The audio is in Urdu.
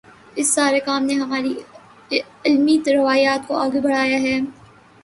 اس سارے کام نے ہماری علمی روایت کو آگے بڑھایا ہے۔